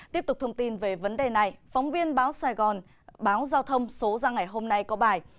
tiếp tục thông tin về vấn đề này phóng viên báo sài gòn báo giao thông số ra ngày hôm nay có bài